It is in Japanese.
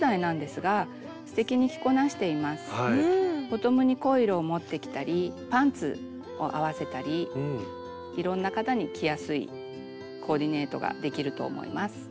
ボトムに濃い色を持ってきたりパンツを合わせたりいろんな方に着やすいコーディネートができると思います。